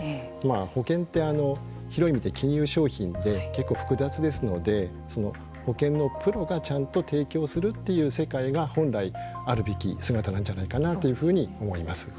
保険って広い意味で金融商品で結構複雑ですので保険のプロがちゃんと提供するという世界が本来あるべき姿なんじゃないかなというふうに思います。